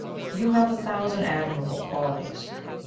You have a thousand admirable qualities.